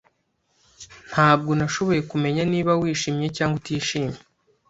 Ntabwo nashoboye kumenya niba wishimye cyangwa utishimye.